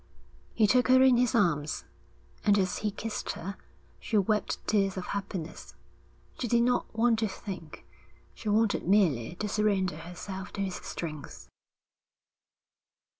He took her in his arms, and as he kissed her, she wept tears of happiness. She did not want to think. She wanted merely to surrender herself to his strength.